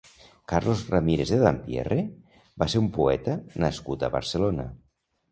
Carlos Ramírez de Dampierre va ser un poeta nascut a Barcelona.